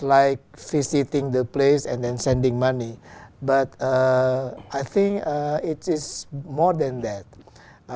vì vậy chúng ta rất mong muốn biết về câu hỏi